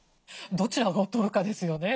どちらを取るかですよね。